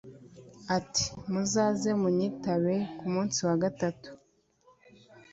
ati “Muzaze munyitabe ku munsi wa gatatu”